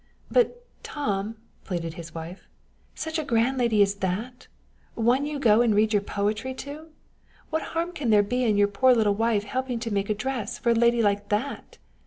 "But, Tom," pleaded his wife, "such a grand lady as that! one you go and read your poetry to! What harm can there be in your poor little wife helping to make a dress for a lady like that?"